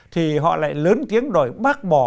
thì họ lại lớn tiếng đòi bác bò